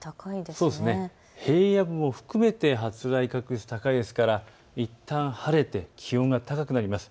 平野部も含めて発雷確率高いですからいったん晴れて気温が高くなります。